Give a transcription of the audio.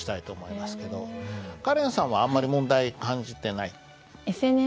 カレンさんはあんまり問題感じてない？